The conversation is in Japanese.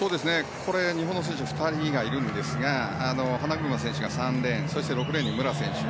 これ、日本の選手２人がいるんですが花車選手が３レーン６レーンに武良選手。